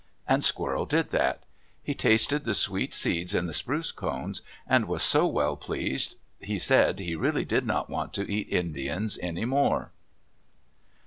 And Squirrel did that. He tasted the sweet seeds in the spruce cones and was so well pleased he said he really did not want to eat Indians any more.